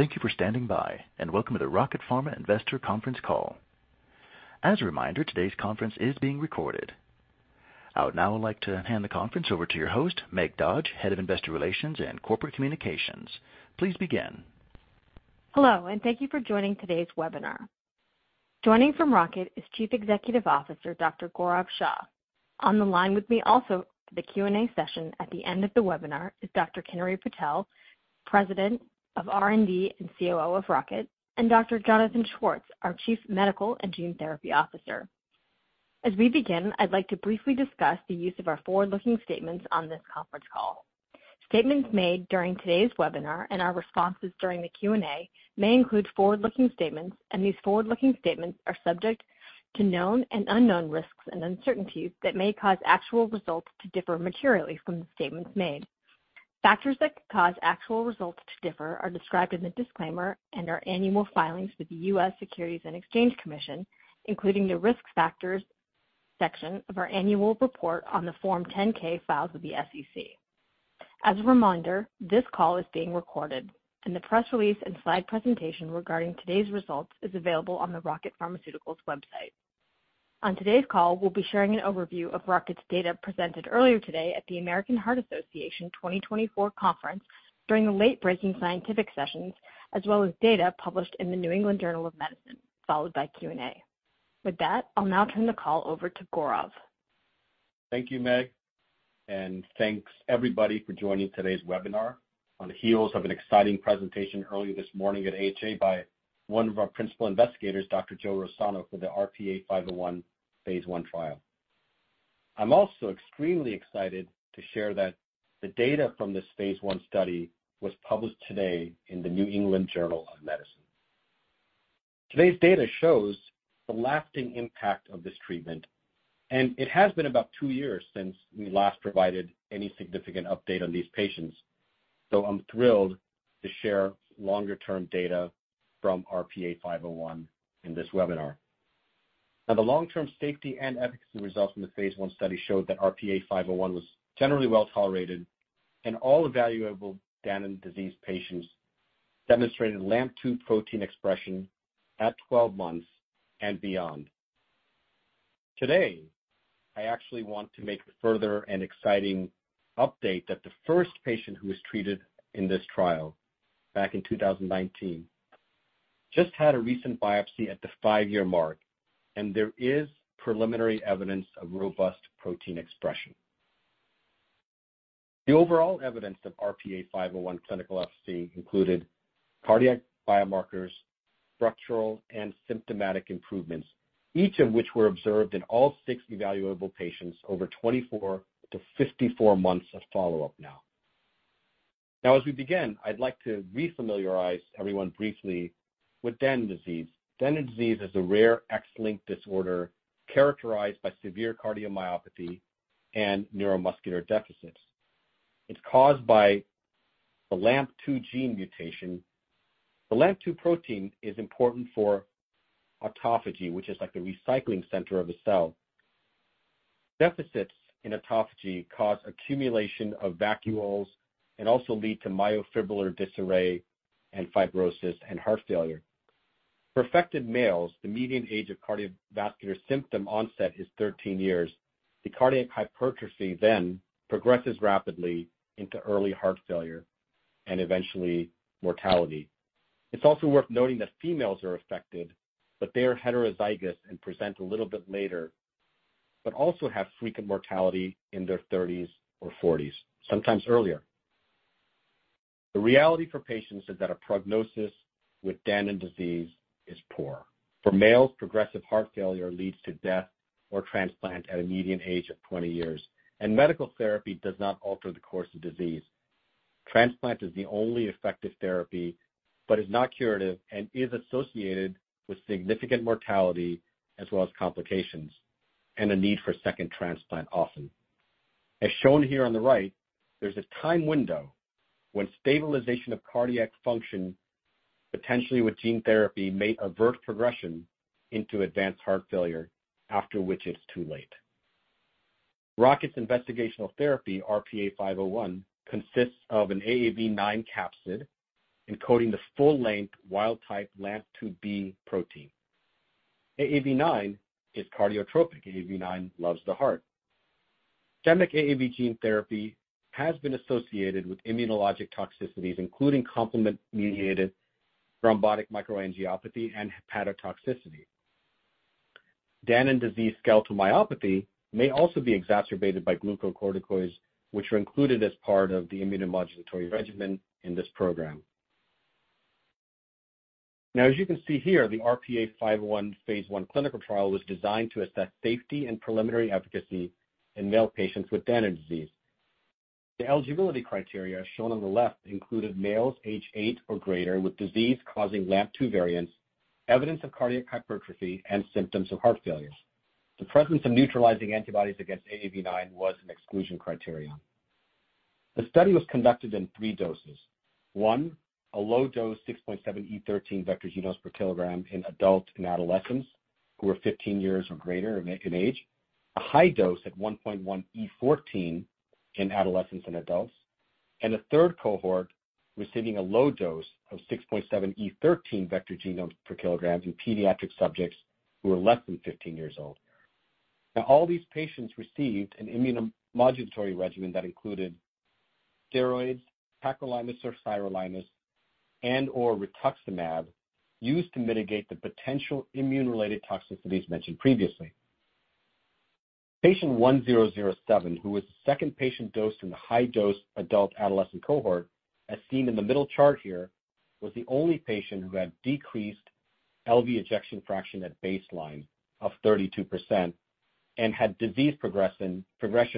Thank you for standing by, and welcome to the Rocket Pharmaceuticals Investor Conference call. As a reminder, today's conference is being recorded. I would now like to hand the conference over to your host, Meg Dodge, Head of Investor Relations and Corporate Communications. Please begin. Hello, and thank you for joining today's webinar. Joining from Rocket is Chief Executive Officer Dr. Gaurav Shah. On the line with me also for the Q&A session at the end of the webinar is Dr. Kinnari Patel, President of R&D and COO of Rocket, and Dr. Jonathan Schwartz, our Chief Medical and Gene Therapy Officer. As we begin, I'd like to briefly discuss the use of our forward-looking statements on this conference call. Statements made during today's webinar and our responses during the Q&A may include forward-looking statements, and these forward-looking statements are subject to known and unknown risks and uncertainties that may cause actual results to differ materially from the statements made. Factors that could cause actual results to differ are described in the disclaimer and our annual filings with the U.S. Securities and Exchange Commission, including the risk factors section of our annual report on the Form 10-K filed with the SEC. As a reminder, this call is being recorded, and the press release and slide presentation regarding today's results is available on the Rocket Pharmaceuticals website. On today's call, we'll be sharing an overview of Rocket's data presented earlier today at the American Heart Association 2024 conference during the late-breaking scientific sessions, as well as data published in the New England Journal of Medicine, followed by Q&A. With that, I'll now turn the call over to Gaurav. Thank you, Meg, and thanks everybody for joining today's webinar on the heels of an exciting presentation earlier this morning at AHA by one of our principal investigators, Dr. Joseph Rossano, for the RP-A501 phase I trial. I'm also extremely excited to share that the data from this phase I study was published today in the New England Journal of Medicine. Today's data shows the lasting impact of this treatment, and it has been about two years since we last provided any significant update on these patients, so I'm thrilled to share longer-term data from RP-A501 in this webinar. Now, the long-term safety and efficacy results from the phase I study showed that RP-A501 was generally well tolerated, and all evaluable Danon disease patients demonstrated LAMP2 protein expression at 12 months and beyond. Today, I actually want to make a further and exciting update that the first patient who was treated in this trial back in 2019 just had a recent biopsy at the five-year mark, and there is preliminary evidence of robust protein expression. The overall evidence of RP-A501 clinical efficacy included cardiac biomarkers, structural, and symptomatic improvements, each of which were observed in all six evaluable patients over 24-54 months of follow-up now. Now, as we begin, I'd like to re-familiarize everyone briefly with Danon disease. Danon disease is a rare X-linked disorder characterized by severe cardiomyopathy and neuromuscular deficits. It's caused by the LAMP2 gene mutation. The LAMP2 protein is important for autophagy, which is like the recycling center of a cell. Deficits in autophagy cause accumulation of vacuoles and also lead to myofibrillar disarray, fibrosis, and heart failure. For affected males, the median age of cardiovascular symptom onset is 13 years. The cardiac hypertrophy then progresses rapidly into early heart failure and eventually mortality. It's also worth noting that females are affected, but they are heterozygous and present a little bit later, but also have frequent mortality in their 30s or 40s, sometimes earlier. The reality for patients is that a prognosis with Danon disease is poor. For males, progressive heart failure leads to death or transplant at a median age of 20 years, and medical therapy does not alter the course of disease. Transplant is the only effective therapy, but it's not curative and is associated with significant mortality as well as complications and a need for second transplant often. As shown here on the right, there's a time window when stabilization of cardiac function, potentially with gene therapy, may avert progression into advanced heart failure, after which it's too late. Rocket's investigational therapy, RP-A501, consists of an AAV9 capsid encoding the full-length wild-type LAMP2B protein. AAV9 is cardiotropic. AAV9 loves the heart. Systemic AAV gene therapy has been associated with immunologic toxicities, including complement-mediated thrombotic microangiopathy and hepatotoxicity. Danon disease skeletal myopathy may also be exacerbated by glucocorticoids, which are included as part of the immunomodulatory regimen in this program. Now, as you can see here, the RP-A501 phase I clinical trial was designed to assess safety and preliminary efficacy in male patients with Danon disease. The eligibility criteria shown on the left included males age eight or greater with disease causing LAMP2 variants, evidence of cardiac hypertrophy, and symptoms of heart failure. The presence of neutralizing antibodies against AAV9 was an exclusion criterion. The study was conducted in three doses: one, a low dose 6.7 E13 vector genomes per kilogram in adults and adolescents who are 15 years or greater in age; a high dose at 1.1 E14 in adolescents and adults; and a third cohort receiving a low dose of 6.7 E13 vector genomes per kilogram in pediatric subjects who are less than 15 years old. Now, all these patients received an immunomodulatory regimen that included steroids, tacrolimus or sirolimus, and/or rituximab used to mitigate the potential immune-related toxicities mentioned previously. Patient 1007, who was the second patient dosed in the high-dose adult adolescent cohort, as seen in the middle chart here, was the only patient who had decreased LV ejection fraction at baseline of 32% and had disease progression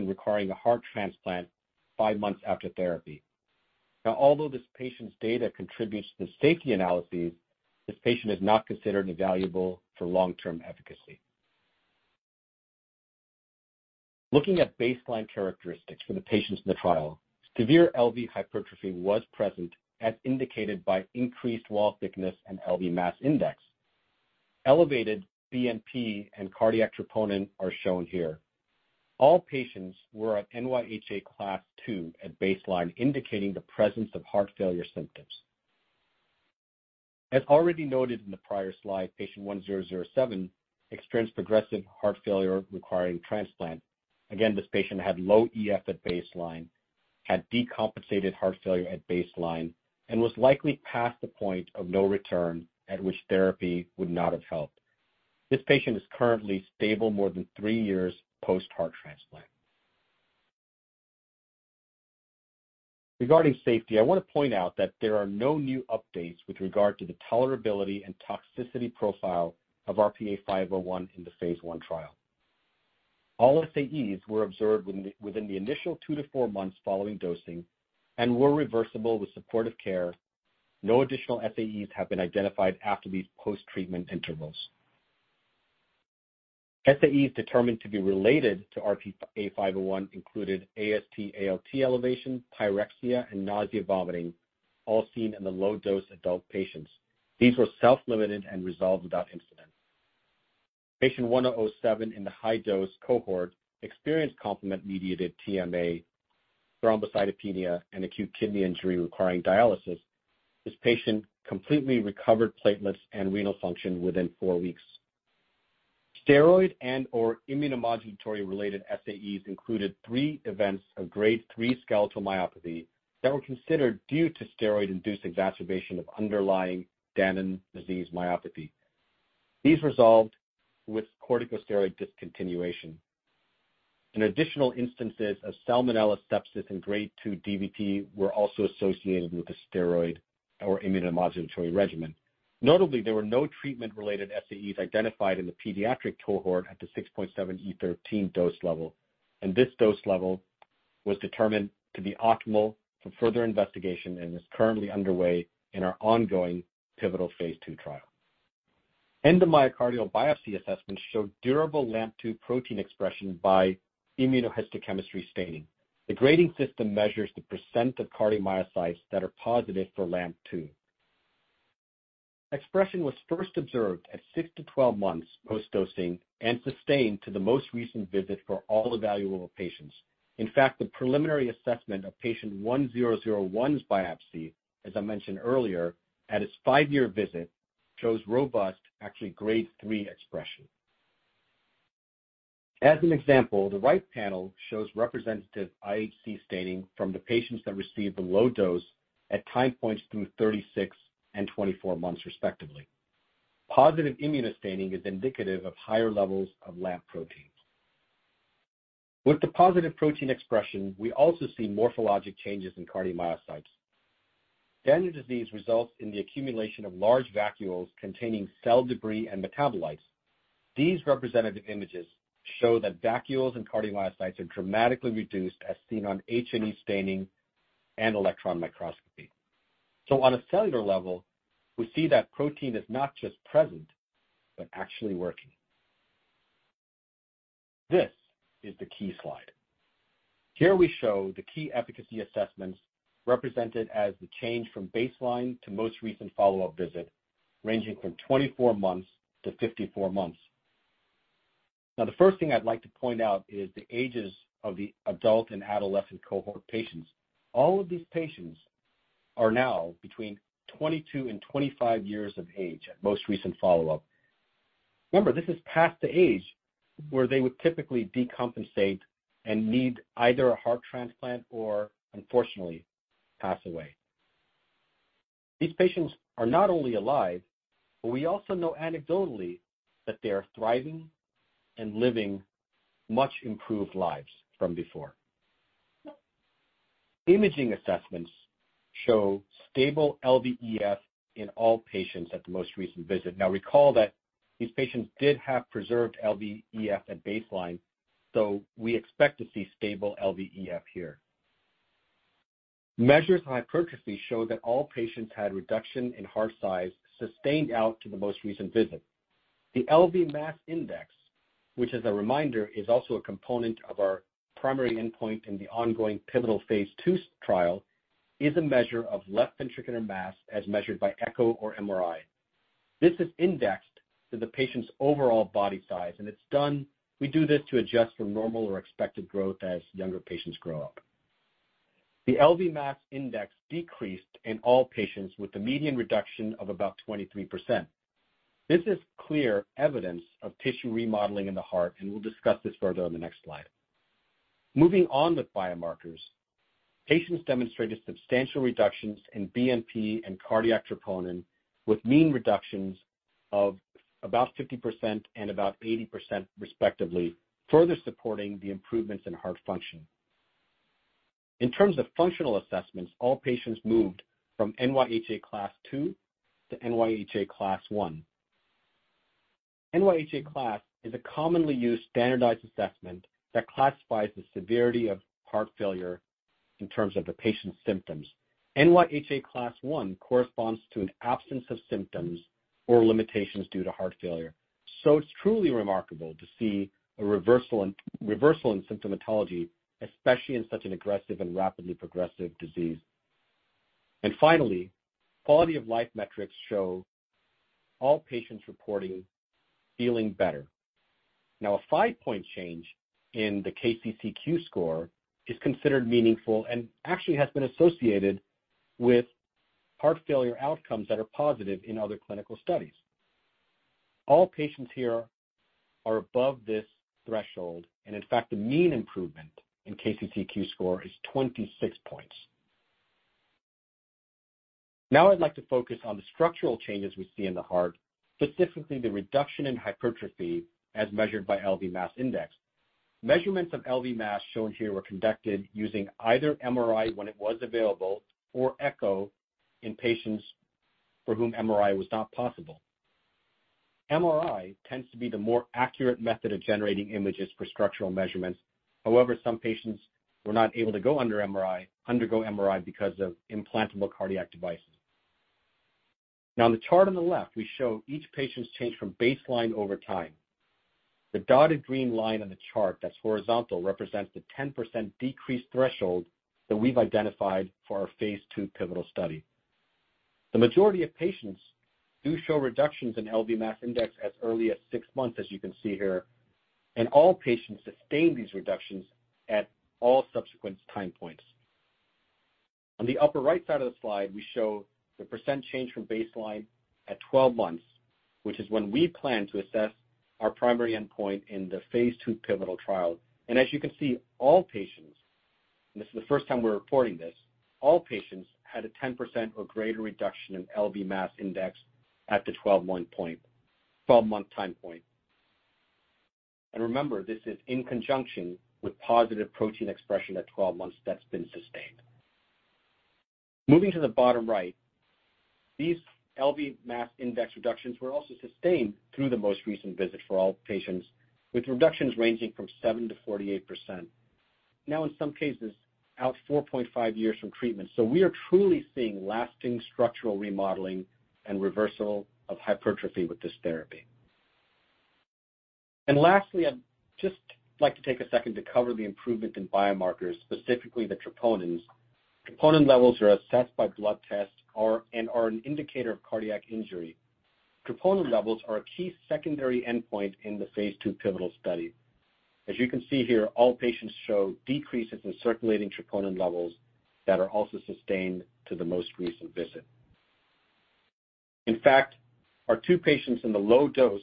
requiring a heart transplant five months after therapy. Now, although this patient's data contributes to the safety analyses, this patient is not considered evaluable for long-term efficacy. Looking at baseline characteristics for the patients in the trial, severe LV hypertrophy was present, as indicated by increased wall thickness and LV mass index. Elevated BNP and cardiac troponin are shown here. All patients were at NYHA Class II at baseline, indicating the presence of heart failure symptoms. As already noted in the prior slide, patient 1007 experienced progressive heart failure requiring transplant. Again, this patient had low EF at baseline, had decompensated heart failure at baseline, and was likely past the point of no return at which therapy would not have helped. This patient is currently stable more than three years post-heart transplant. Regarding safety, I want to point out that there are no new updates with regard to the tolerability and toxicity profile of RP-A501 in the phase I trial. All SAEs were observed within the initial two to four months following dosing and were reversible with supportive care. No additional SAEs have been identified after these post-treatment intervals. SAEs determined to be related to RP-A501 included AST/ALT elevation, pyrexia, and nausea/vomiting, all seen in the low-dose adult patients. These were self-limited and resolved without incident. Patient 1007 in the high-dose cohort experienced complement-mediated TMA, thrombocytopenia, and acute kidney injury requiring dialysis. This patient completely recovered platelets and renal function within four weeks. Steroid and/or immunomodulatory-related SAEs included three events of grade 3 skeletal myopathy that were considered due to steroid-induced exacerbation of underlying Danon disease myopathy. These resolved with corticosteroid discontinuation. In additional instances of salmonella sepsis and grade 2 DVT were also associated with the steroid or immunomodulatory regimen. Notably, there were no treatment-related SAEs identified in the pediatric cohort at the 6.7 E13 dose level, and this dose level was determined to be optimal for further investigation and is currently underway in our ongoing pivotal phase II trial. Endomyocardial biopsy assessment showed durable LAMP2 protein expression by immunohistochemistry staining. The grading system measures the % of cardiomyocytes that are positive for LAMP2. Expression was first observed at six to 12 months post-dosing and sustained to the most recent visit for all evaluable patients. In fact, the preliminary assessment of patient 1001's biopsy, as I mentioned earlier, at his five-year visit, shows robust, actually grade 3 expression. As an example, the right panel shows representative IHC staining from the patients that received the low dose at time points through 36 and 24 months, respectively. Positive immunostaining is indicative of higher levels of LAMP protein. With the positive protein expression, we also see morphologic changes in cardiomyocytes. Danon disease results in the accumulation of large vacuoles containing cell debris and metabolites. These representative images show that vacuoles and cardiomyocytes are dramatically reduced, as seen on H&E staining and electron microscopy. So, on a cellular level, we see that protein is not just present, but actually working. This is the key slide. Here we show the key efficacy assessments represented as the change from baseline to most recent follow-up visit, ranging from 24 months to 54 months. Now, the first thing I'd like to point out is the ages of the adult and adolescent cohort patients. All of these patients are now between 22 and 25 years of age at most recent follow-up. Remember, this is past the age where they would typically decompensate and need either a heart transplant or, unfortunately, pass away. These patients are not only alive, but we also know anecdotally that they are thriving and living much improved lives from before. Imaging assessments show stable LVEF in all patients at the most recent visit. Now, recall that these patients did have preserved LVEF at baseline, so we expect to see stable LVEF here. Measures of hypertrophy show that all patients had reduction in heart size sustained out to the most recent visit. The LV mass index, which, as a reminder, is also a component of our primary endpoint in the ongoing pivotal phase II trial, is a measure of left ventricular mass as measured by echo or MRI. This is indexed to the patient's overall body size, and we do this to adjust for normal or expected growth as younger patients grow up. The LV mass index decreased in all patients with a median reduction of about 23%. This is clear evidence of tissue remodeling in the heart, and we'll discuss this further on the next slide. Moving on with biomarkers, patients demonstrated substantial reductions in BNP and cardiac troponin, with mean reductions of about 50% and about 80%, respectively, further supporting the improvements in heart function. In terms of functional assessments, all patients moved from NYHA Class II to NYHA Class I. NYHA Class is a commonly used standardized assessment that classifies the severity of heart failure in terms of the patient's symptoms. NYHA Class I corresponds to an absence of symptoms or limitations due to heart failure. It's truly remarkable to see a reversal in symptomatology, especially in such an aggressive and rapidly progressive disease. Finally, quality of life metrics show all patients reporting feeling better. Now, a five-point change in the KCCQ score is considered meaningful and actually has been associated with heart failure outcomes that are positive in other clinical studies. All patients here are above this threshold, and in fact, the mean improvement in KCCQ score is 26 points. Now, I'd like to focus on the structural changes we see in the heart, specifically the reduction in hypertrophy as measured by LV mass index. Measurements of LV mass shown here were conducted using either MRI when it was available or echo in patients for whom MRI was not possible. MRI tends to be the more accurate method of generating images for structural measurements. However, some patients were not able to undergo MRI because of implantable cardiac devices. Now, on the chart on the left, we show each patient's change from baseline over time. The dotted green line on the chart that's horizontal represents the 10% decrease threshold that we've identified for our phase II pivotal study. The majority of patients do show reductions in LV mass index as early as six months, as you can see here, and all patients sustained these reductions at all subsequent time points. On the upper right side of the slide, we show the percent change from baseline at 12 months, which is when we plan to assess our primary endpoint in the phase II pivotal trial, and as you can see, all patients, and this is the first time we're reporting this, all patients had a 10% or greater reduction in LV mass index at the 12-month time point. And remember, this is in conjunction with positive protein expression at 12 months that's been sustained. Moving to the bottom right, these LV mass index reductions were also sustained through the most recent visit for all patients, with reductions ranging from 7%-48%. Now, in some cases, out 4.5 years from treatment. So, we are truly seeing lasting structural remodeling and reversal of hypertrophy with this therapy. And lastly, I'd just like to take a second to cover the improvement in biomarkers, specifically the troponins. Troponin levels are assessed by blood test and are an indicator of cardiac injury. Troponin levels are a key secondary endpoint in the phase II pivotal study. As you can see here, all patients show decreases in circulating troponin levels that are also sustained to the most recent visit. In fact, our two patients in the low-dose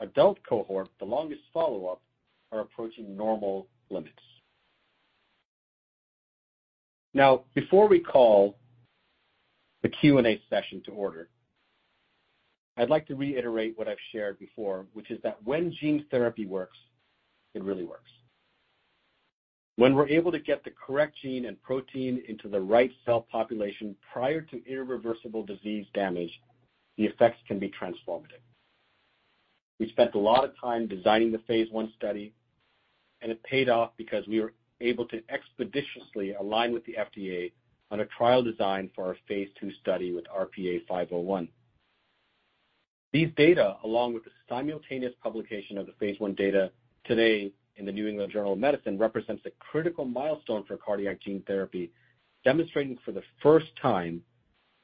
adult cohort, the longest follow-up, are approaching normal limits. Now, before we call the Q&A session to order, I'd like to reiterate what I've shared before, which is that when gene therapy works, it really works. When we're able to get the correct gene and protein into the right cell population prior to irreversible disease damage, the effects can be transformative. We spent a lot of time designing the phase I study, and it paid off because we were able to expeditiously align with the FDA on a trial design for our phase II study with RP-A501. These data, along with the simultaneous publication of the phase I data today in the New England Journal of Medicine, represent a critical milestone for cardiac gene therapy, demonstrating for the first time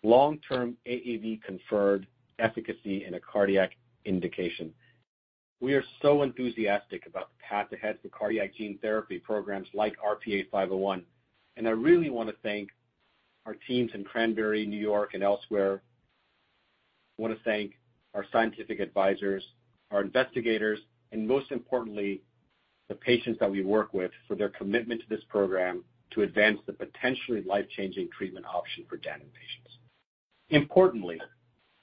long-term AAV-conferred efficacy in a cardiac indication. We are so enthusiastic about the path ahead for cardiac gene therapy programs like RP-A501, and I really want to thank our teams in Cranbury, New York, and elsewhere. I want to thank our scientific advisors, our investigators, and most importantly, the patients that we work with for their commitment to this program to advance the potentially life-changing treatment option for Danon patients. Importantly,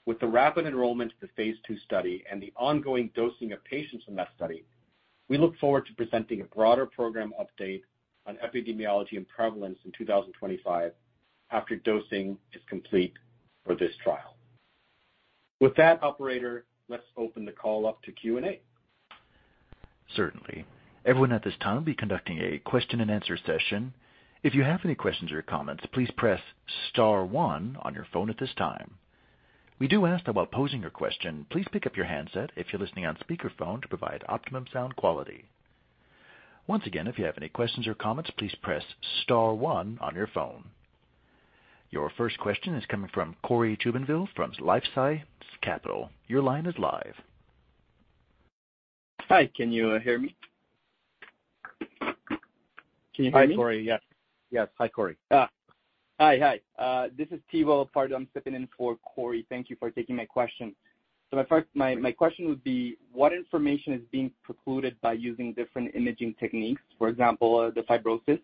with the rapid enrollment of the phase II study and the ongoing dosing of patients in that study, we look forward to presenting a broader program update on epidemiology and prevalence in 2025 after dosing is complete for this trial. With that, Operator, let's open the call up to Q&A. Certainly. Everyone at this time will be conducting a question-and-answer session. If you have any questions or comments, please press Star 1 on your phone at this time. We do ask that while posing your question, please pick up your handset if you're listening on speakerphone to provide optimum sound quality. Once again, if you have any questions or comments, please press Star 1 on your phone. Your first question is coming from Cory Jubinville from LifeSci Capital. Your line is live. Hi, can you hear me? Can you hear me? Hi, Corey. Yes. Yes. Hi, Cory. Hi. Hi. This is Teo Walter. I'm stepping in for Corey. Thank you for taking my question. So my question would be, what information is being precluded by using different imaging techniques, for example, the fibrosis?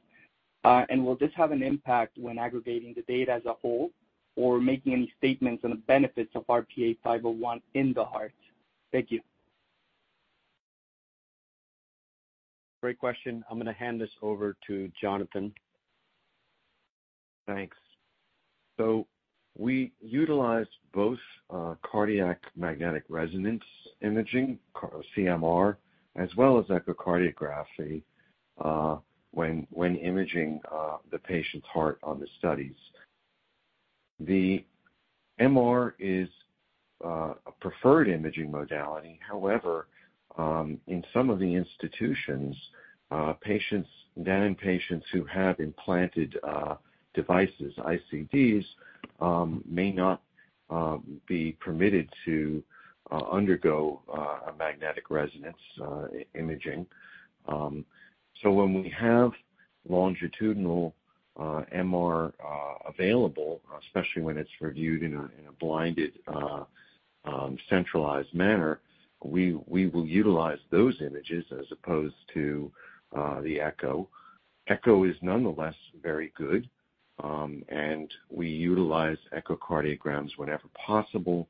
And will this have an impact when aggregating the data as a whole or making any statements on the benefits of RP-A501 in the heart? Thank you. Great question. I'm going to hand this over to Jonathan. Thanks. We utilize both cardiac magnetic resonance imaging, CMR, as well as echocardiography when imaging the patient's heart on the studies. The MR is a preferred imaging modality. However, in some of the institutions, Danon patients who have implanted devices, ICDs, may not be permitted to undergo magnetic resonance imaging. So when we have longitudinal MR available, especially when it's reviewed in a blinded centralized manner, we will utilize those images as opposed to the echo. Echo is nonetheless very good, and we utilize echocardiograms whenever possible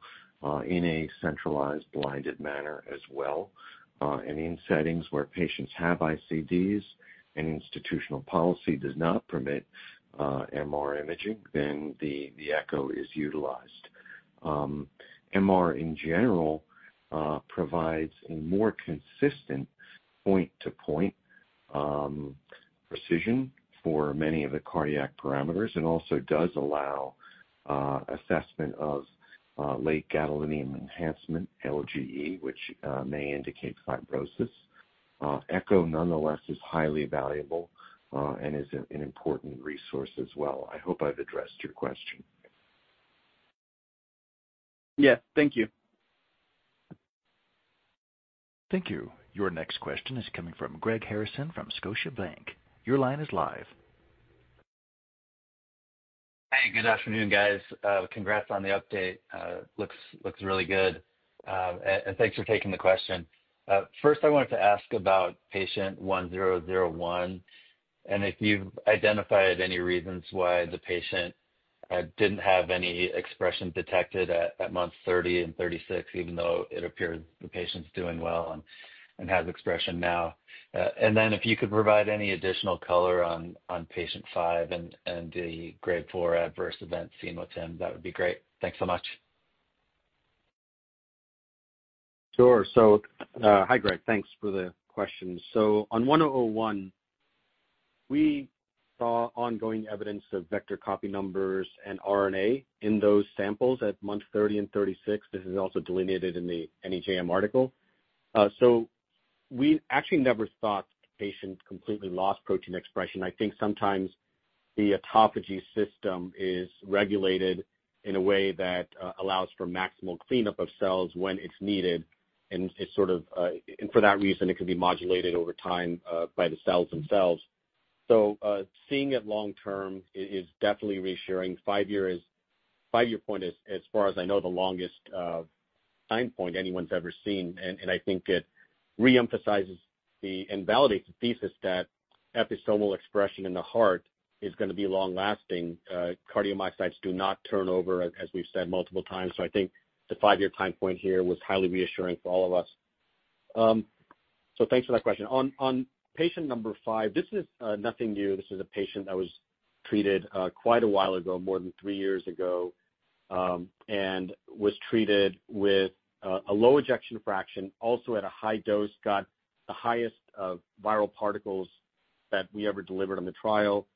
in a centralized blinded manner as well. And in settings where patients have ICDs and institutional policy does not permit MR imaging, then the echo is utilized. MR, in general, provides a more consistent point-to-point precision for many of the cardiac parameters and also does allow assessment of late gadolinium enhancement, LGE, which may indicate fibrosis. Echo, nonetheless, is highly valuable and is an important resource as well. I hope I've addressed your question. Yes. Thank you. Thank you. Your next question is coming from Greg Harrison from Scotiabank. Your line is live. Hey, good afternoon, guys. Congrats on the update. Looks really good. And thanks for taking the question. First, I wanted to ask about patient 1001 and if you've identified any reasons why the patient didn't have any expression detected at month 30 and 36, even though it appears the patient's doing well and has expression now. And then if you could provide any additional color on patient five and the grade four adverse events seen with him, that would be great. Thanks so much. Sure. So hi, Greg. Thanks for the question. On 1001, we saw ongoing evidence of vector copy numbers and RNA in those samples at month 30 and 36. This is also delineated in the NEJM article. We actually never thought the patient completely lost protein expression. I think sometimes the autophagy system is regulated in a way that allows for maximal cleanup of cells when it's needed, and for that reason, it can be modulated over time by the cells themselves. Seeing it long-term is definitely reassuring. Five-year point is, as far as I know, the longest time point anyone's ever seen, and I think it reemphasizes and validates the thesis that episomal expression in the heart is going to be long-lasting. Cardiomyocytes do not turn over, as we've said multiple times. I think the five-year time point here was highly reassuring for all of us. Thanks for that question. On patient number five, this is nothing new. This is a patient that was treated quite a while ago, more than three years ago, and was treated with a low ejection fraction, also at a high dose, got the highest viral particles that we ever delivered on the trial,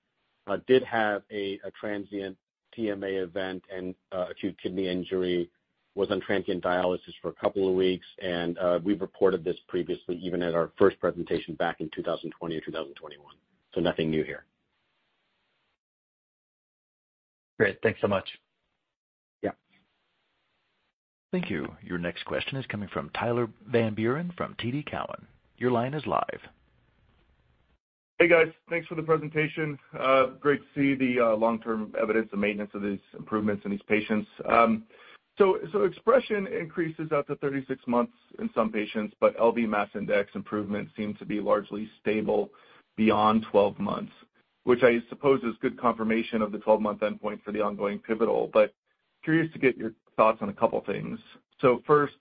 did have a transient TMA event and acute kidney injury, was on transient dialysis for a couple of weeks, and we've reported this previously, even at our first presentation back in 2020 or 2021. So nothing new here. Great. Thanks so much. Yeah. Thank you. Your next question is coming from Tyler Van Buren from TD Cowen. Your line is live. Hey, guys. Thanks for the presentation. Great to see the long-term evidence of maintenance of these improvements in these patients. Expression increases after 36 months in some patients, but LV mass index improvement seems to be largely stable beyond 12 months, which I suppose is good confirmation of the 12-month endpoint for the ongoing pivotal. But curious to get your thoughts on a couple of things. First,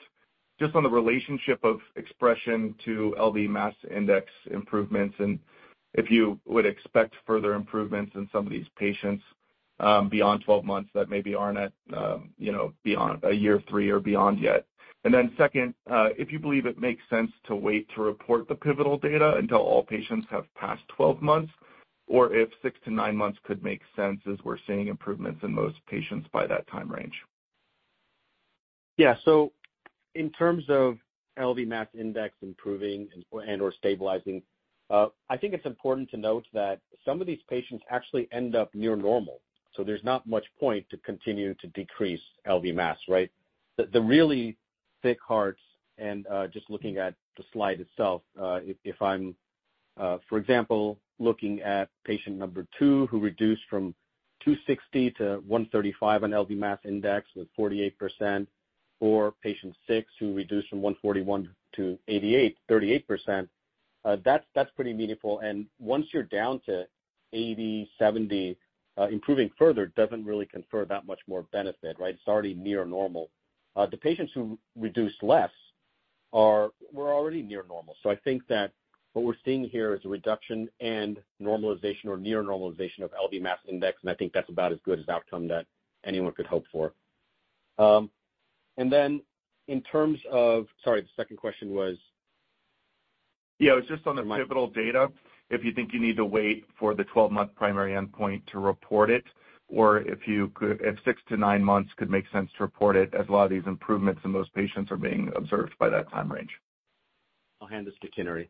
just on the relationship of expression to LV mass index improvements and if you would expect further improvements in some of these patients beyond 12 months that maybe aren't at beyond a year three or beyond yet. And then second, if you believe it makes sense to wait to report the pivotal data until all patients have passed 12 months, or if six to nine months could make sense as we're seeing improvements in most patients by that time range. Yeah. So in terms of LV mass index improving and/or stabilizing, I think it's important to note that some of these patients actually end up near normal. So there's not much point to continue to decrease LV mass, right? The really thick hearts, and just looking at the slide itself, if I'm, for example, looking at patient number two who reduced from 260 to 135 on LV mass index with 48%, or patient six who reduced from 141 to 38%, that's pretty meaningful. And once you're down to 80, 70, improving further doesn't really confer that much more benefit, right? It's already near normal. The patients who reduced less were already near normal. So I think that what we're seeing here is a reduction and normalization or near normalization of LV mass index, and I think that's about as good as outcome that anyone could hope for. And then in terms of, sorry, the second question was. Yeah. It was just on the pivotal data. If you think you need to wait for the 12-month primary endpoint to report it, or if six to nine months could make sense to report it, as a lot of these improvements in most patients are being observed by that time range. I'll hand this to Kinnari.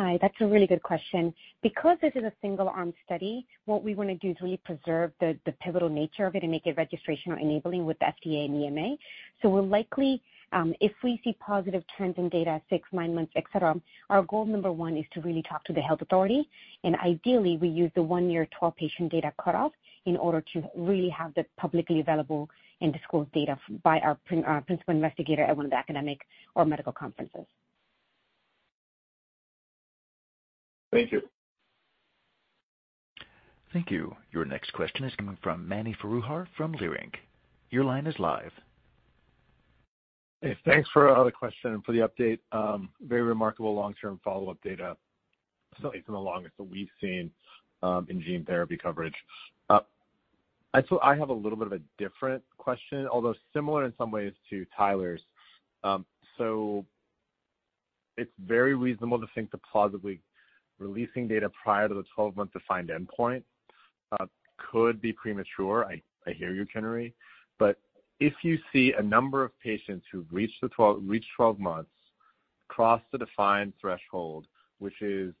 Hi. That's a really good question. Because this is a single-arm study, what we want to do is really preserve the pivotal nature of it and make it registrational enabling with FDA and EMA, so we'll likely, if we see positive trends in data at six, nine months, etc., our goal number one is to really talk to the health authority. And ideally, we use the one-year 12-patient data cutoff in order to really have the publicly available and disclosed data by our principal investigator at one of the academic or medical conferences. Thank you. Thank you. Your next question is coming from Mani Foroohar from Leerink. Your line is live. Hey. Thanks for the question and for the update. Very remarkable long-term follow-up data. Certainly some of the longest that we've seen in gene therapy coverage. I have a little bit of a different question, although similar in some ways to Tyler's. So it's very reasonable to think that plausibly releasing data prior to the 12-month defined endpoint could be premature. I hear you, Kinnari. But if you see a number of patients who've reached 12 months cross the defined threshold, which is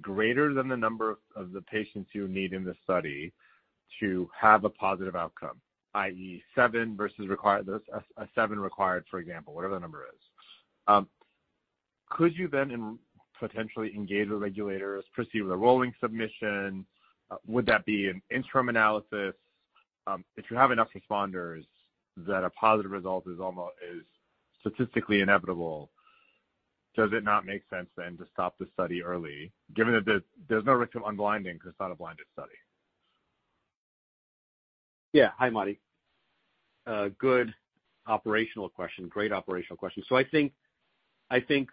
greater than the number of the patients you need in the study to have a positive outcome, i.e., seven versus required, for example, whatever the number is, could you then potentially engage with regulators, proceed with a rolling submission? Would that be an interim analysis? If you have enough responders that a positive result is statistically inevitable, does it not make sense then to stop the study early, given that there's no risk of unblinding because it's not a blinded study? Yeah. Hi, Mani. Good operational question. Great operational question. So I think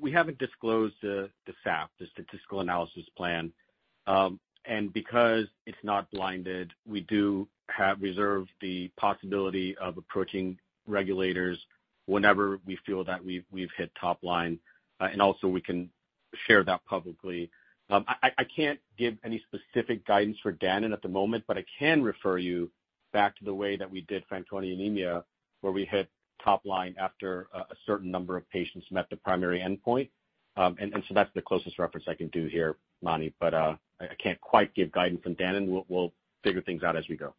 we haven't disclosed the SAP, the statistical analysis plan. And because it's not blinded, we do reserve the possibility of approaching regulators whenever we feel that we've hit top line. Also, we can share that publicly. I can't give any specific guidance for Danon at the moment, but I can refer you back to the way that we did Fanconi anemia where we hit top line after a certain number of patients met the primary endpoint. So that's the closest reference I can do here, Matthew, but I can't quite give guidance on Danon. We'll figure things out as we go.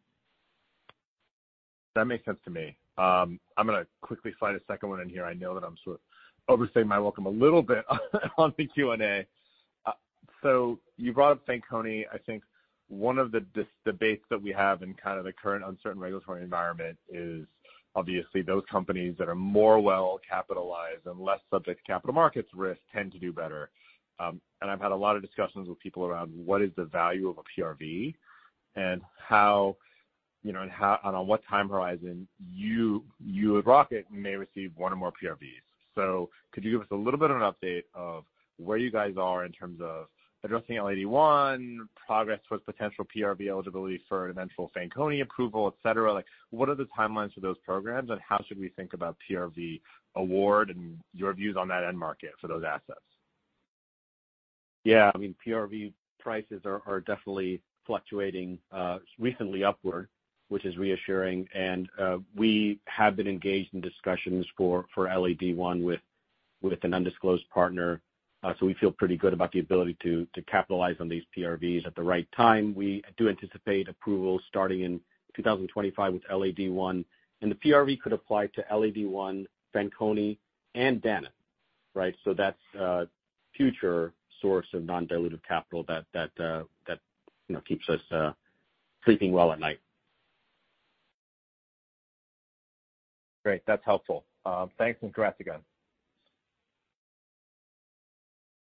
That makes sense to me. I'm going to quickly slide a second one in here. I know that I'm sort of overstaying my welcome a little bit on the Q&A. You brought up Fanconi. I think one of the debates that we have in kind of the current uncertain regulatory environment is obviously those companies that are more well-capitalized and less subject to capital markets risk tend to do better. I've had a lot of discussions with people around what is the value of a PRV and how and on what time horizon you at Rocket may receive one or more PRVs. So could you give us a little bit of an update of where you guys are in terms of addressing LAD-I, progress towards potential PRV eligibility for eventual Fanconi approval, etc.? What are the timelines for those programs, and how should we think about PRV award and your views on that end market for those assets? Yeah. I mean, PRV prices are definitely fluctuating recently upward, which is reassuring. And we have been engaged in discussions for LAD-I with an undisclosed partner. So we feel pretty good about the ability to capitalize on these PRVs at the right time. We do anticipate approval starting in 2025 with LAD-I. And the PRV could apply to LAD-I, Fanconi, and Danon, right? So that's a future source of non-dilutive capital that keeps us sleeping well at night. Great. That's helpful. Thanks and congrats again.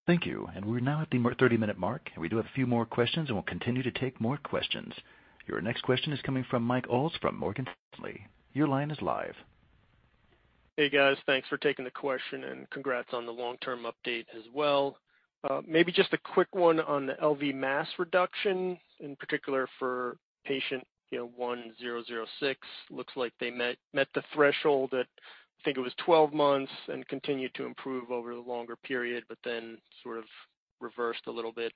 Thank you. And we're now at the 30-minute mark. We do have a few more questions, and we'll continue to take more questions. Your next question is coming from Mike Ulz from Morgan Stanley. Your line is live. Hey, guys. Thanks for taking the question, and congrats on the long-term update as well. Maybe just a quick one on the LV mass reduction, in particular for patient 1006. Looks like they met the threshold at, I think it was 12 months and continued to improve over a longer period, but then sort of reversed a little bit.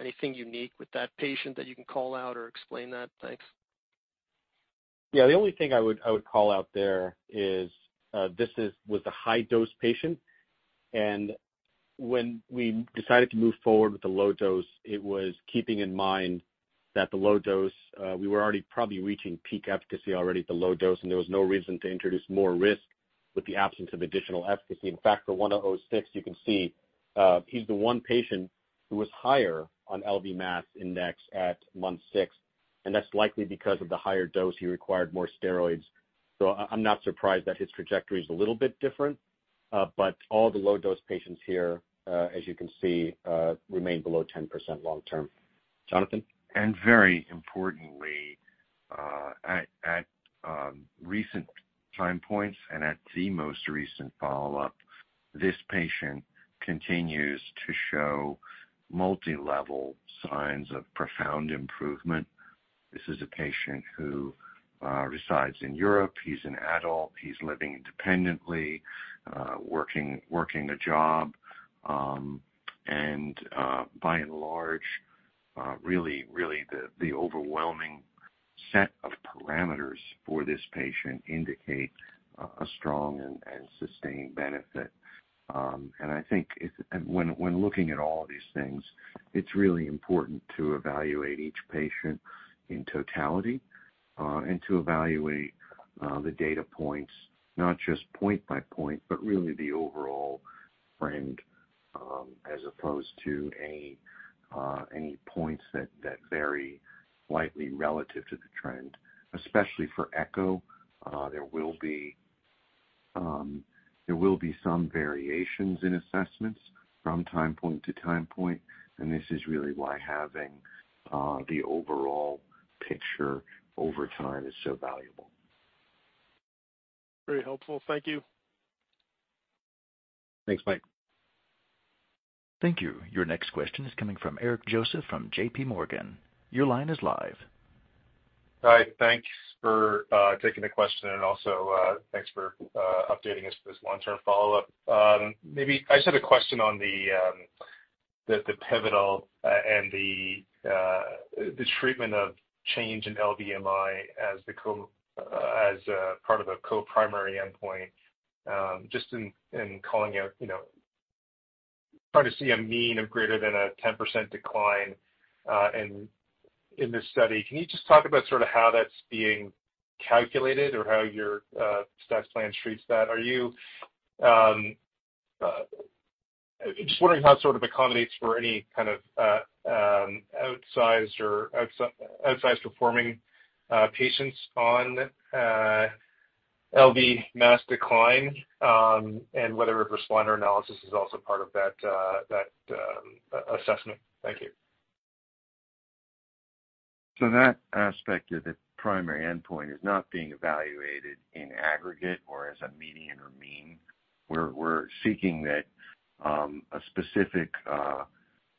Anything unique with that patient that you can call out or explain that? Thanks. Yeah. The only thing I would call out there is this was a high-dose patient, and when we decided to move forward with the low dose, it was keeping in mind that the low dose we were already probably reaching peak efficacy already at the low dose, and there was no reason to introduce more risk with the absence of additional efficacy. In fact, for 1006, you can see he's the one patient who was higher on LV mass index at month six, and that's likely because of the higher dose. He required more steroids, so I'm not surprised that his trajectory is a little bit different, but all the low-dose patients here, as you can see, remain below 10% long-term. Jonathan, and very importantly, at recent time points and at the most recent follow-up, this patient continues to show multilevel signs of profound improvement. This is a patient who resides in Europe. He's an adult. He's living independently, working a job. And by and large, really, really the overwhelming set of parameters for this patient indicate a strong and sustained benefit. And I think when looking at all of these things, it's really important to evaluate each patient in totality and to evaluate the data points, not just point by point, but really the overall trend as opposed to any points that vary slightly relative to the trend. Especially for echo, there will be some variations in assessments from time point to time point, and this is really why having the overall picture over time is so valuable. Very helpful. Thank you. Thanks, Mike. Thank you. Your next question is coming from Eric Joseph from JP Morgan. Your line is live. Hi. Thanks for taking the question, and also thanks for updating us for this long-term follow-up. Maybe I just had a question on the pivotal and the treatment of change in LVMI as part of a co-primary endpoint. Just in calling out, trying to see a mean of greater than a 10% decline in this study. Can you just talk about sort of how that's being calculated or how your study plan treats that? Just wondering how it sort of accommodates for any kind of outsized or outsized-performing patients on LV mass decline and whether a responder analysis is also part of that assessment. Thank you. So that aspect of the primary endpoint is not being evaluated in aggregate or as a median or mean. We're seeking that a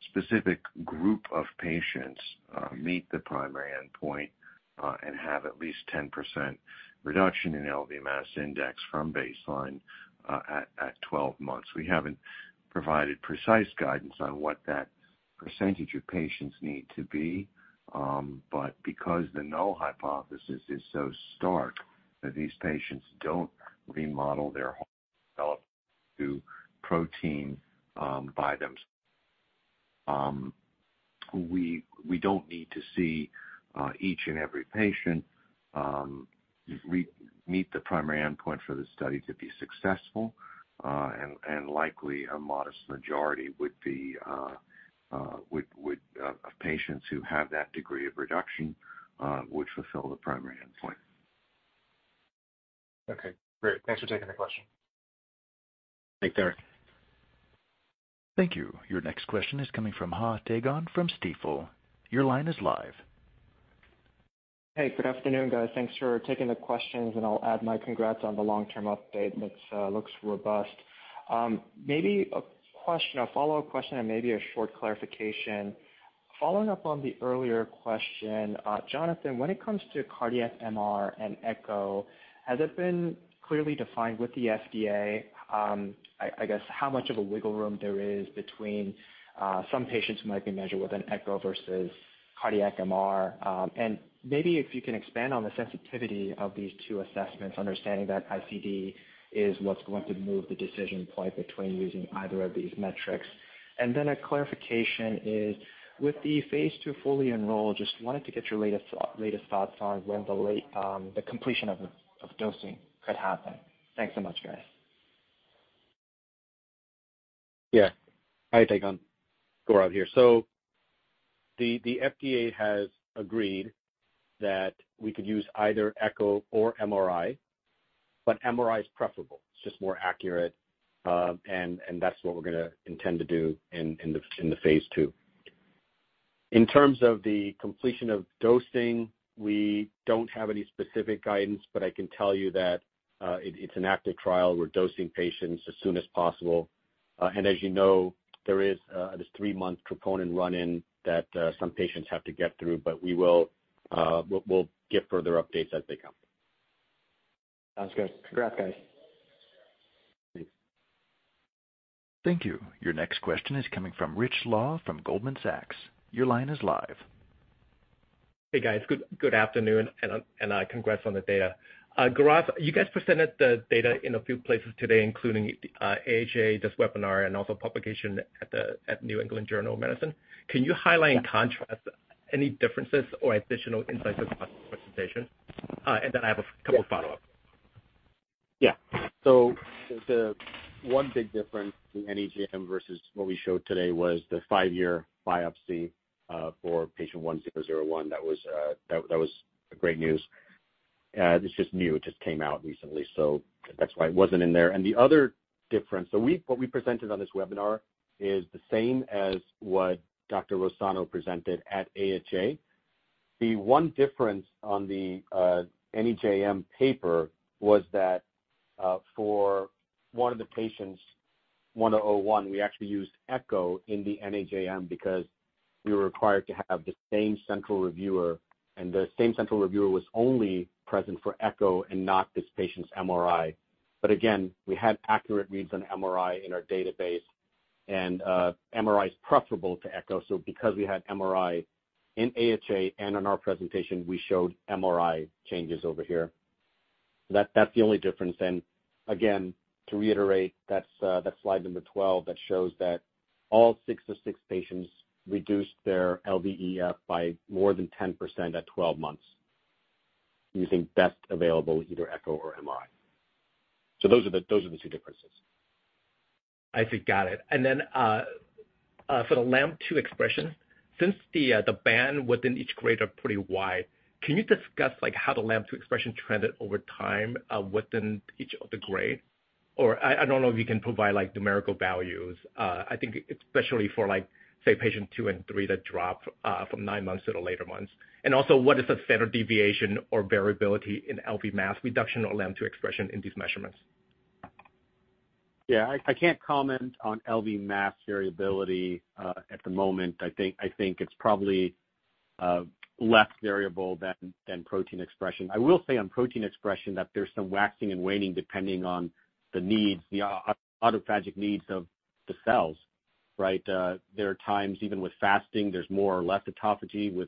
specific group of patients meet the primary endpoint and have at least 10% reduction in LV mass index from baseline at 12 months. We haven't provided precise guidance on what that percentage of patients need to be, but because the null hypothesis is so stark that these patients don't remodel their hearts to develop the protein by themselves, we don't need to see each and every patient meet the primary endpoint for the study to be successful, and likely, a modest majority of patients who have that degree of reduction would fulfill the primary endpoint. Okay. Great. Thanks for taking the question. Thanks, Eric. Thank you. Your next question is coming from Dae Gon Ha from Stifel. Your line is live. Hey. Good afternoon, guys. Thanks for taking the questions, and I'll add my congrats on the long-term update. Looks robust. Maybe a question, a follow-up question, and maybe a short clarification. Following up on the earlier question, Jonathan, when it comes to cardiac MR and echo, has it been clearly defined with the FDA, I guess, how much of a wiggle room there is between some patients who might be measured with an echo versus cardiac MR? And maybe if you can expand on the sensitivity of these two assessments, understanding that ICD is what's going to move the decision point between using either of these metrics. And then a clarification is, with the phase two fully enrolled, just wanted to get your latest thoughts on when the completion of dosing could happen. Thanks so much, guys. Yeah. Hi, Dae Gon. Gaurav here. So the FDA has agreed that we could use either echo or MRI, but MRI is preferable. It's just more accurate, and that's what we're going to intend to do in the phase two. In terms of the completion of dosing, we don't have any specific guidance, but I can tell you that it's an active trial. We're dosing patients as soon as possible. And as you know, there is this three-month troponin run-in that some patients have to get through, but we'll get further updates as they come. Sounds good. Congrats, guys. Thanks. Thank you. Your next question is coming from Richard Law from Goldman Sachs. Your line is live. Hey, guys. Good afternoon, and congrats on the data. Gaurav, you guys presented the data in a few places today, including AHA, this webinar, and also publication at New England Journal of Medicine. Can you highlight in contrast any differences or additional insights across the presentation? And then I have a couple of follow-ups. Yeah. The one big difference in the NEJM versus what we showed today was the five-year biopsy for patient 1001. That was great news. It's just new. It just came out recently, so that's why it wasn't in there. The other difference, so what we presented on this webinar is the same as what Dr. Rossano presented at AHA. The one difference on the NEJM paper was that for one of the patients, 1001, we actually used echo in the NEJM because we were required to have the same central reviewer, and the same central reviewer was only present for echo and not this patient's MRI. But again, we had accurate reads on MRI in our database, and MRI is preferable to echo. So because we had MRI in AHA and on our presentation, we showed MRI changes over here. That's the only difference. And again, to reiterate, that's slide number 12 that shows that all six of six patients reduced their LVEF by more than 10% at 12 months using best available either echo or MRI. So those are the two differences. I see. Got it. And then for the LAMP2 expression, since the band within each grade are pretty wide, can you discuss how the LAMP2 expression trended over time within each of the grades? Or I don't know if you can provide numerical values, I think, especially for, say, patient two and three that drop from nine months to the later months. And also, what is the standard deviation or variability in LV mass reduction or LAMP2 expression in these measurements? Yeah. I can't comment on LV mass variability at the moment. I think it's probably less variable than protein expression. I will say on protein expression that there's some waxing and waning depending on the needs, the autophagic needs of the cells, right? There are times even with fasting, there's more or less autophagy. With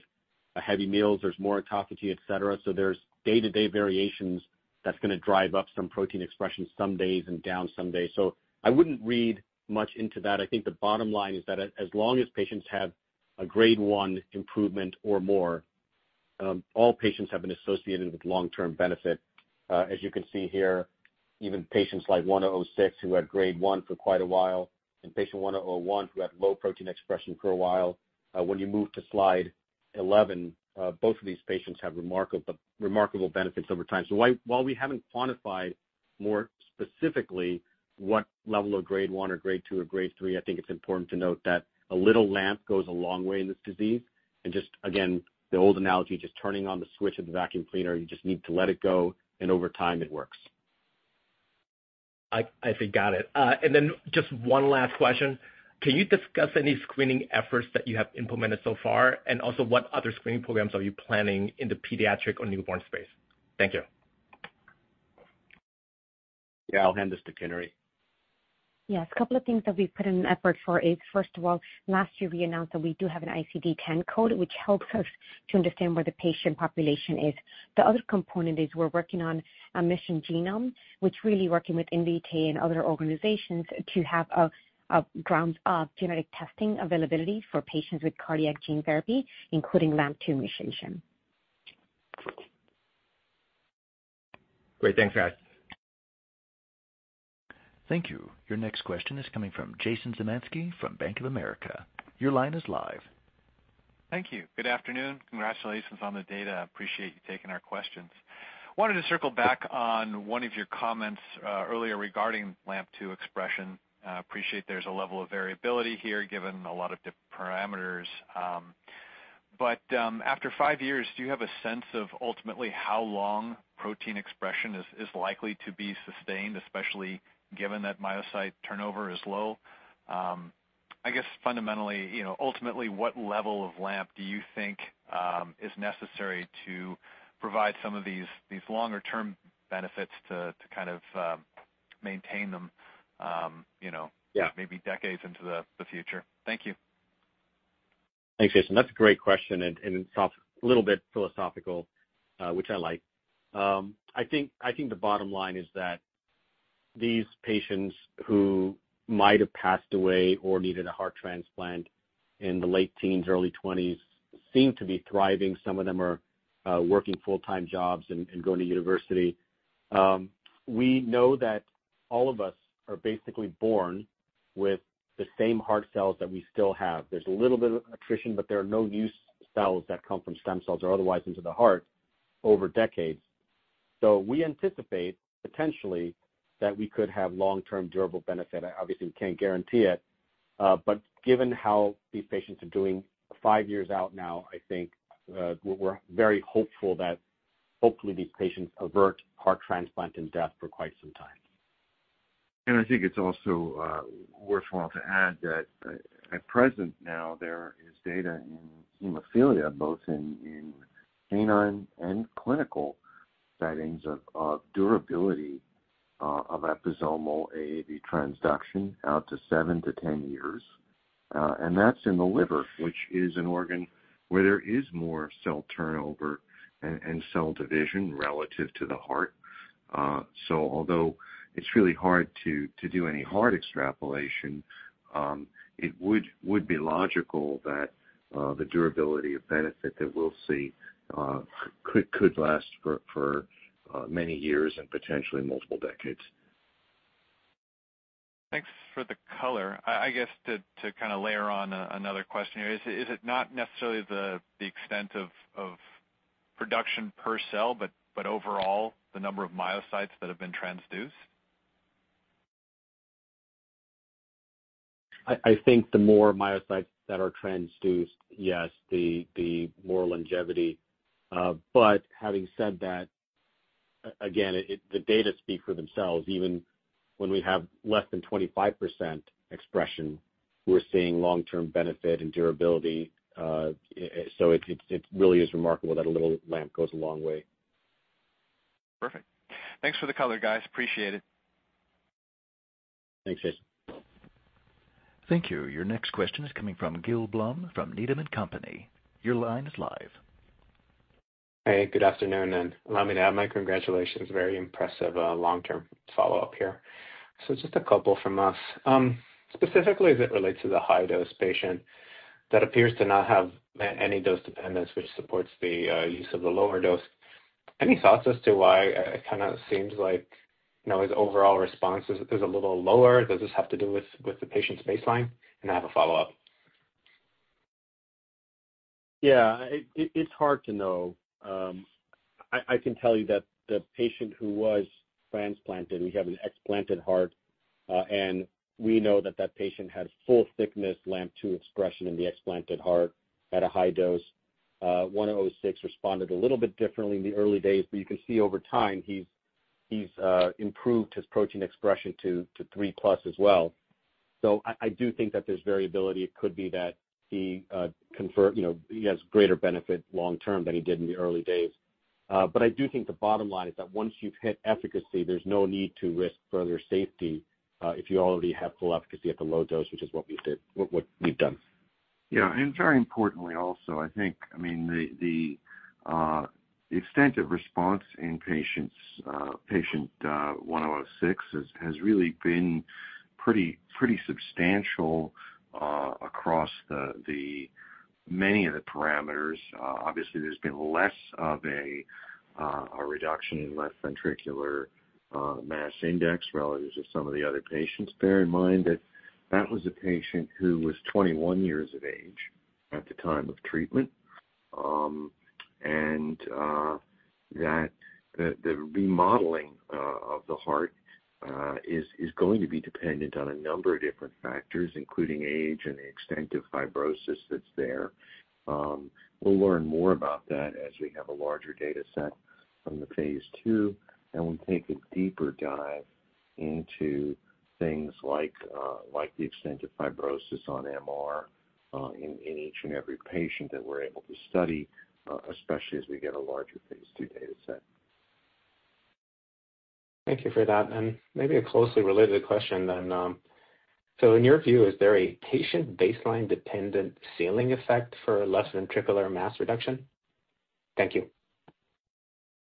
heavy meals, there's more autophagy, etc. So there's day-to-day variations that's going to drive up some protein expression some days and down some days. So I wouldn't read much into that. I think the bottom line is that as long as patients have a grade one improvement or more, all patients have been associated with long-term benefit. As you can see here, even patients like 1006 who had grade one for quite a while and patient 1001 who had low protein expression for a while, when you move to slide 11, both of these patients have remarkable benefits over time. While we haven't quantified more specifically what level of grade one or grade two or grade three, I think it's important to note that a little LAMP goes a long way in this disease. And just again, the old analogy, just turning on the switch of the vacuum cleaner, you just need to let it go, and over time, it works. I see. Got it. And then just one last question. Can you discuss any screening efforts that you have implemented so far? And also, what other screening programs are you planning in the pediatric or newborn space? Thank you. Yeah. I'll hand this to Kinnari. Yes. A couple of things that we've put in effort for is, first of all, last year, we announced that we do have an ICD-10 code, which helps us to understand where the patient population is. The other component is we're working on a mission genome, which really is working with NDT and other organizations to have a grounds of genetic testing availability for patients with cardiac gene therapy, including LAMP2 initiation. Great. Thanks, guys. Thank you. Your next question is coming from Jason Zemansky from Bank of America. Your line is live. Thank you. Good afternoon. Congratulations on the data. I appreciate you taking our questions. Wanted to circle back on one of your comments earlier regarding LAMP2 expression. Appreciate there's a level of variability here given a lot of different parameters. But after five years, do you have a sense of ultimately how long protein expression is likely to be sustained, especially given that myocyte turnover is low? I guess fundamentally, ultimately, what level of LAMP do you think is necessary to provide some of these longer-term benefits to kind of maintain them maybe decades into the future? Thank you. Thanks, Jason. That's a great question, and it's a little bit philosophical, which I like. I think the bottom line is that these patients who might have passed away or needed a heart transplant in the late teens, early 20s seem to be thriving. Some of them are working full-time jobs and going to university. We know that all of us are basically born with the same heart cells that we still have. There's a little bit of attrition, but there are no new cells that come from stem cells or otherwise into the heart over decades. So we anticipate potentially that we could have long-term durable benefit. Obviously, we can't guarantee it. But given how these patients are doing five years out now, I think we're very hopeful that hopefully these patients avert heart transplant and death for quite some time. And I think it's also worthwhile to add that at present now, there is data in hemophilia, both in canine and clinical settings, of durability of episomal AAV transduction out to 7-10 years. And that's in the liver, which is an organ where there is more cell turnover and cell division relative to the heart. So although it's really hard to do any heart extrapolation, it would be logical that the durability of benefit that we'll see could last for many years and potentially multiple decades. Thanks for the color. I guess to kind of layer on another question here, is it not necessarily the extent of production per cell, but overall the number of myocytes that have been transduced? I think the more myocytes that are transduced, yes, the more longevity. But having said that, again, the data speak for themselves. Even when we have less than 25% expression, we're seeing long-term benefit and durability. So it really is remarkable that a little LAMP goes a long way. Perfect. Thanks for the color, guys. Appreciate it. Thanks, Jason. Thank you. Your next question is coming from Gil Blum from Needham & Company. Your line is live. Hey. Good afternoon. And allow me to add my congratulations. Very impressive long-term follow-up here. So just a couple from us. Specifically, as it relates to the high-dose patient that appears to not have any dose dependence, which supports the use of the lower dose, any thoughts as to why it kind of seems like his overall response is a little lower? Does this have to do with the patient's baseline? And I have a follow-up. Yeah. It's hard to know. I can tell you that the patient who was transplanted, we have an explanted heart, and we know that that patient had full-thickness LAMP2 expression in the explanted heart at a high dose. 1006 responded a little bit differently in the early days, but you can see over time he's improved his protein expression to 3 plus as well. So I do think that there's variability. It could be that he has greater benefit long-term than he did in the early days. But I do think the bottom line is that once you've hit efficacy, there's no need to risk further safety if you already have full efficacy at the low dose, which is what we've done. Yeah. And very importantly also, I think, I mean, the extent of response in patient 1006 has really been pretty substantial across many of the parameters. Obviously, there's been less of a reduction in Left Ventricular Mass Index relative to some of the other patients. Bear in mind that that was a patient who was 21 years of age at the time of treatment, and that the remodeling of the heart is going to be dependent on a number of different factors, including age and the extent of fibrosis that's there. We'll learn more about that as we have a larger data set from the phase two, and we'll take a deeper dive into things like the extent of fibrosis on MR in each and every patient that we're able to study, especially as we get a larger phase two data set. Thank you for that, and maybe a closely related question then, so in your view, is there a patient baseline dependent ceiling effect for left ventricular mass reduction? Thank you. I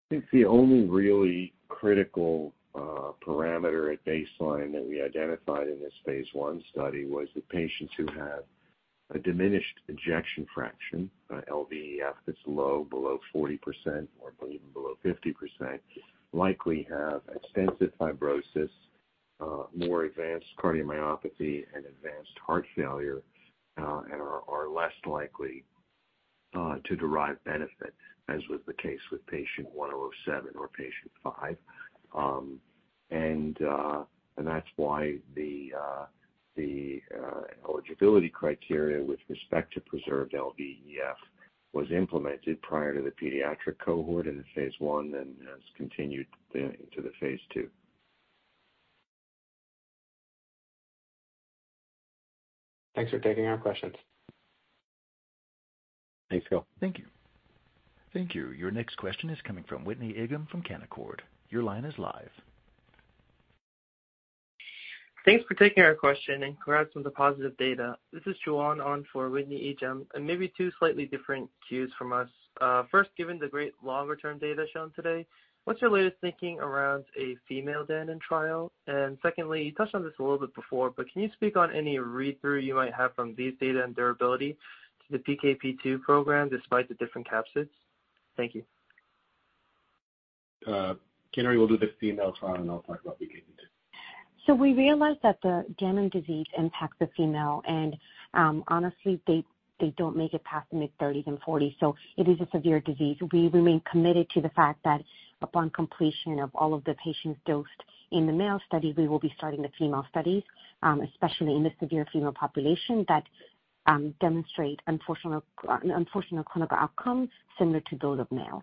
think the only really critical parameter at baseline that we identified in this phase one study was the patients who have a diminished ejection fraction, LVEF that's low, below 40% or even below 50%, likely have extensive fibrosis, more advanced cardiomyopathy, and advanced heart failure, and are less likely to derive benefit, as was the case with patient 1007 or patient 5. And that's why the eligibility criteria with respect to preserved LVEF was implemented prior to the pediatric cohort in the phase one and has continued into the phase two. Thanks for taking our questions. Thanks, Gil. Thank you. Thank you. Your next question is coming from Whitney Ijem from Canaccord. Your line is live. Thanks for taking our question and congrats on the positive data. This is Joanne on for Whitney Ijem. And maybe two slightly different cues from us. First, given the great longer-term data shown today, what's your latest thinking around a female Danon trial? And secondly, you touched on this a little bit before, but can you speak on any read-through you might have from these data and durability to the PKP2 program despite the different capsids? Thank you. Kinnari, we'll do the female trial, and I'll talk about PKP2. So we realize that the Danon disease impacts the female, and honestly, they don't make it past the mid-30s and 40s. So it is a severe disease. We remain committed to the fact that upon completion of all of the patients dosed in the male studies, we will be starting the female studies, especially in the severe female population that demonstrate unfortunate clinical outcomes similar to those of males.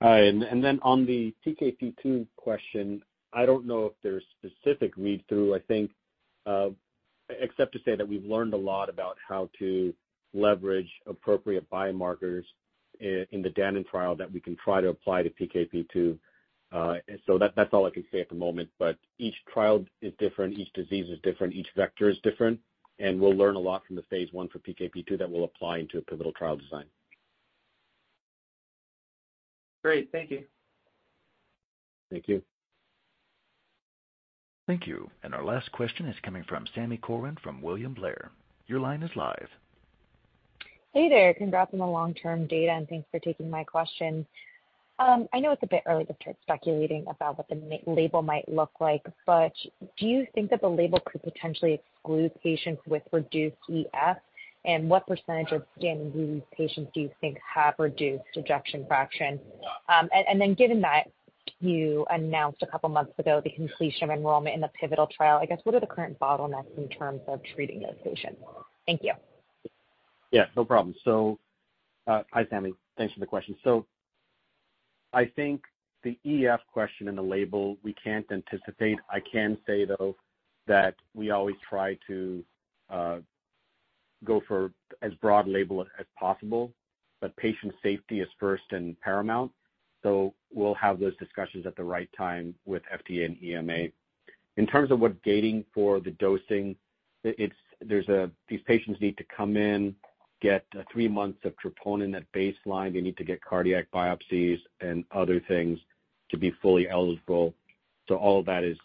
And then on the PKP2 question, I don't know if there's specific read-through, I think, except to say that we've learned a lot about how to leverage appropriate biomarkers in the Danon trial that we can try to apply to PKP2. So that's all I can say at the moment. But each trial is different. Each disease is different. Each vector is different. And we'll learn a lot from the phase one for PKP2 that we'll apply into a pivotal trial design. Great. Thank you. Thank you. Thank you. And our last question is coming from Sami Corwin from William Blair. Your line is live. Hey there. Congrats on the long-term data, and thanks for taking my question. I know it's a bit early to start speculating about what the label might look like, but do you think that the label could potentially exclude patients with reduced EF? And what percentage of Danon disease patients do you think have reduced ejection fraction? And then given that you announced a couple of months ago the completion of enrollment in the pivotal trial, I guess, what are the current bottlenecks in terms of treating those patients? Thank you. Yeah. No problem. So hi, Sami. Thanks for the question. So I think the EF question and the label, we can't anticipate. I can say, though, that we always try to go for as broad a label as possible, but patient safety is first and paramount. So we'll have those discussions at the right time with FDA and EMA. In terms of what's gating for the dosing, these patients need to come in, get three months of troponin at baseline. They need to get cardiac biopsies and other things to be fully eligible. So all of that is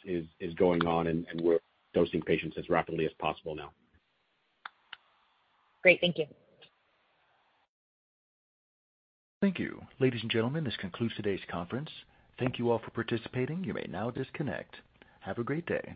going on, and we're dosing patients as rapidly as possible now. Great. Thank you. Thank you. Ladies and gentlemen, this concludes today's conference. Thank you all for participating. You may now disconnect. Have a great day.